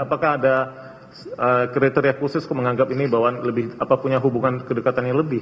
apakah ada kriteria khusus menganggap ini bawaan lebih apa punya hubungan kedekatan yang lebih